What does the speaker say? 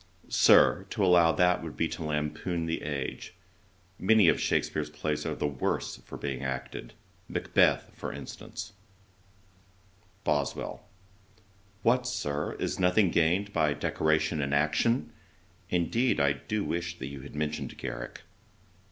'Sir, to allow that, would be to lampoon the age. Many of Shakspeare's plays are the worse for being acted: Macbeth, for instance.' BOSWELL. 'What, Sir, is nothing gained by decoration and action? Indeed, I do wish that you had mentioned Garrick.'